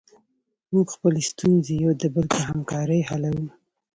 موږ خپلې ستونزې یو د بل په همکاري حلوو.